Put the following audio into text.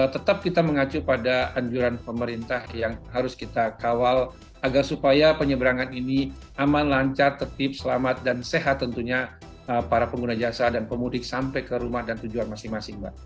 tetap kita mengacu pada anjuran pemerintah yang harus kita kawal agar supaya penyeberangan ini aman lancar tertib selamat dan sehat tentunya para pengguna jasa dan pemudik sampai ke rumah dan tujuan masing masing mbak